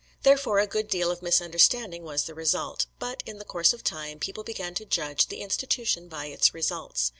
Therefore a good deal of misunderstanding was the result; but in the course of time people began to judge the institution by its results.